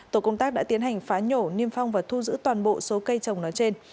tổ công tác đã tiến hành phá nhổ niêm phong và thu giữ toàn bộ số cây trồng nói trên